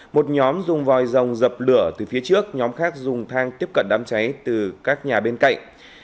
một nhóm dùng vòi rồng dập lửa từ phía trước nhóm khác dùng thang tiếp cận đám cháy từ các nhà bên cạnh